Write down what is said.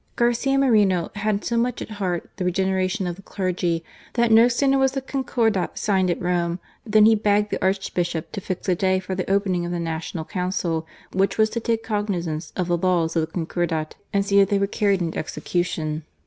Garcia Moreno had so much at heart the regene ration of the clergy, that, no sooner was the Con cordat signed at Rome, than he begged the Arch bishop to fix a day for the opening of the National Council, which was to take cognizance of the laws of the Concordat, and see that they were carried into execution.